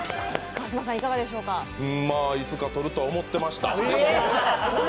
いつか取るとは思ってました。